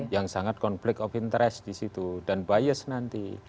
yang sangat conflict of interest di situ dan bias nanti